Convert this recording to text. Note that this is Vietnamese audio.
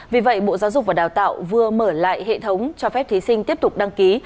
vì vậy bộ giáo dục và đào tạo vừa mở lại hệ thống cho phép thí sinh tiếp tục đăng ký